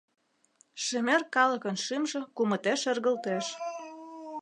Шемер калыкын шӱмжӧ кумыте шергылтеш...